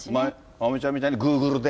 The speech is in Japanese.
まおみちゃんみたいに、グーグルで。